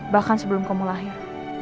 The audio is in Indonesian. bahkan sebelum kamu lahir